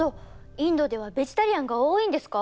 インドではベジタリアンが多いんですか？